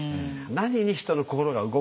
何に人の心が動くか